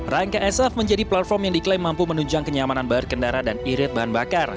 rangka sf menjadi platform yang diklaim mampu menunjang kenyamanan berkendara dan irit bahan bakar